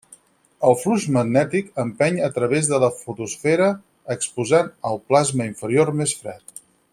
El flux magnètic empeny a través de la fotosfera, exposant el plasma inferior més fred.